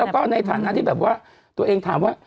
แล้วก็ในฐานะที่แบบว่าตัวเองถามว่า